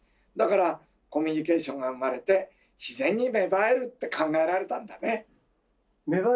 だからコミュニケーションが生まれて自然に芽生えるって考えられたんだね。